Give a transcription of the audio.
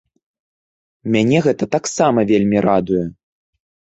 Мяне гэта таксама вельмі радуе.